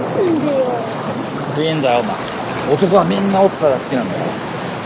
男はみんなおっぱいが好きなんだよ。